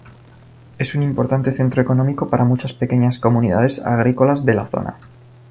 Es un importante centro económico para muchas pequeñas comunidades agrícolas en la zona.